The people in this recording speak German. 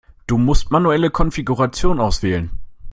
Du musst manuelle Konfiguration auswählen.